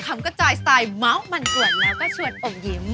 คำกระจายสไตล์เมาส์มันกวดแล้วก็ชวนอมยิ้ม